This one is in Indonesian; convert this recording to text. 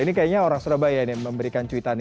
ini kayaknya orang surabaya yang memberikan cuitan ini